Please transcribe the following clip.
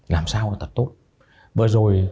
làm sao tật tốt